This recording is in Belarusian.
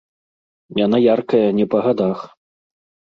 Яна яркая, не па гадах.